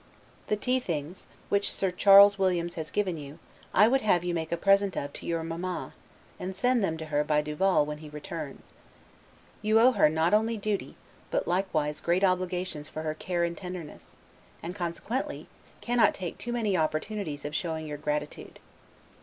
The tea things, which Sir Charles Williams has given you, I would have you make a present of to your Mamma, and send them to her by Duval when he returns. You owe her not only duty, but likewise great obligations for her care and tenderness; and, consequently, cannot take too many opportunities of showing your gratitude.